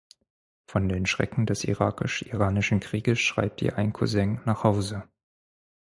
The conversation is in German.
Von den Schrecken des Irakisch-Iranischen Krieges schreibt ihr ein Cousin nach Hause.